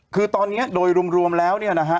คือตอนนี้โดยรวมแล้วเนี่ยนะฮะ